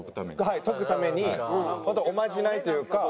はい解くために本当おまじないというか。